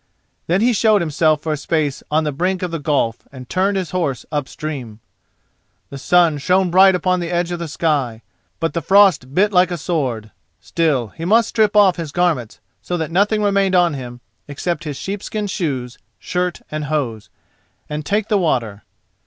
Then he showed himself for a space on the brink of the gulf and turned his horse up stream. The sun shone bright upon the edge of the sky, but the frost bit like a sword. Still, he must strip off his garments, so that nothing remained on him except his sheepskin shoes, shirt and hose, and take the water.